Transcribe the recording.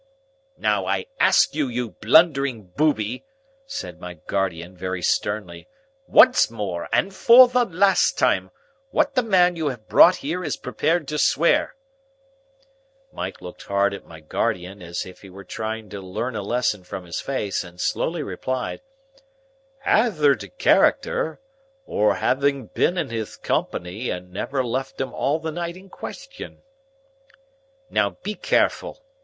"Now, I ask you, you blundering booby," said my guardian, very sternly, "once more and for the last time, what the man you have brought here is prepared to swear?" Mike looked hard at my guardian, as if he were trying to learn a lesson from his face, and slowly replied, "Ayther to character, or to having been in his company and never left him all the night in question." "Now, be careful.